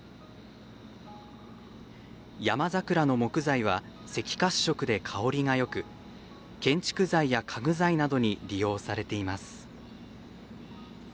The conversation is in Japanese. ヤマザクラの木材は赤褐色で香りがよく建築材や家具材などに利用されています。